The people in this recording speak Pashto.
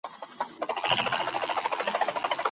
بشر د ګډ ژوند کولو لپاره بل ته اړ دی.